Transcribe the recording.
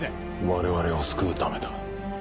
我々を救うためだ。